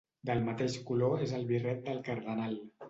Del mateix color és el birret del cardenal.